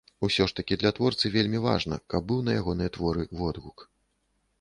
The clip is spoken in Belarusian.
Усё ж такі для творцы вельмі важна, каб быў на ягоныя творы водгук.